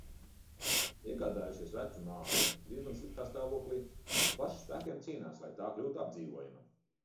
Iegādājušies vecu māju, diezgan sliktā stāvoklī, un pašu spēkiem cīnās, lai tā kļūtu apdzīvojama.